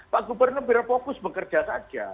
pak gubernur biar fokus bekerja saja